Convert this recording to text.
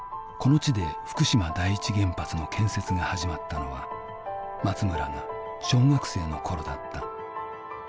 この地で福島第一原発の建設が始まったのは松村が小学生の頃だった。